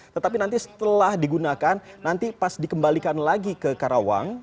tetapi nanti setelah digunakan nanti pas dikembalikan lagi ke karawang